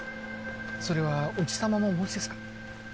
それは伯父様もお持ちですか？